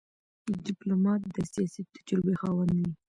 ډيپلومات د سیاسي تجربې خاوند وي.